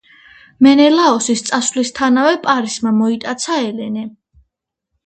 მენელაოსის წასვლისთანავე პარისმა მოიტაცა ელენე.